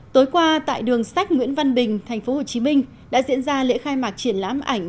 tối qua tại đường sách nguyễn văn bình tp hcm đã diễn ra lễ khai mạc triển lãm ảnh